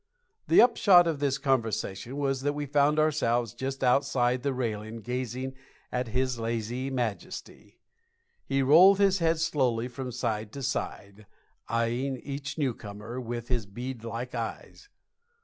The upshot of this conversation was that we found ourselves just outside the railing gazing at his lazy majesty. He rolled his head slowly from side to side, eyeing each newcomer with his bead like eyes.